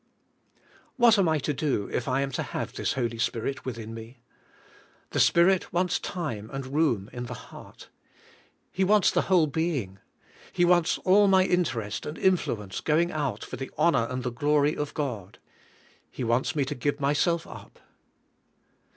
What am I to do if I am to have this Holy Spirit within me? The Spirit wants time and room in the heart; He wants the whole being. He wants all my interest and influence going out for the honor and the glory of God ; He wants me to give myself up.